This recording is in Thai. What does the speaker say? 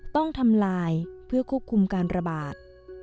ต้องทำลายเพื่อควบคุมการระบาด